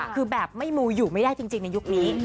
คือแบบไม่มูอยู่ไม่ได้จริงในยุคนี้